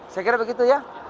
saya kira begitu ya